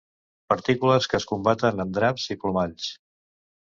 Partícules que es combaten amb draps i plomalls.